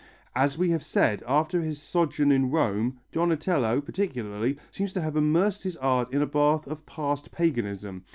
As we have said, after his sojourn in Rome, Donatello, particularly, seems to have immersed his art in a bath of past paganism.